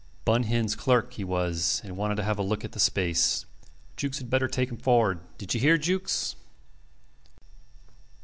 Bun Hin's clerk he was, and wanted to have a look at the space. Jukes had better take him forward. "D'ye hear, Jukes?"